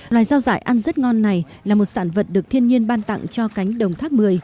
loài rau rải ăn rất ngon này là một sản vật được thiên nhiên ban tặng cho cánh đồng tháp một mươi